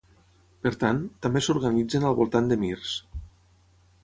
Per tant, també s'organitzen al voltant d'emirs.